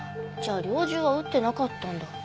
じゃあ猟銃は撃ってなかったんだ。